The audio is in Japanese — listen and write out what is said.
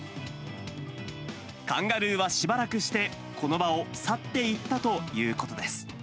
カンガルーはしばらくして、この場を去っていったということです。